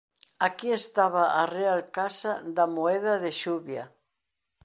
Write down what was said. Aquí estaba a Real Casa da Moeda de Xuvia.